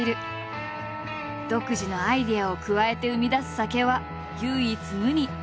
独自のアイデアを加えて生み出す酒は唯一無二。